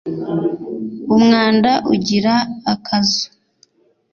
Umwanda ugira akazu.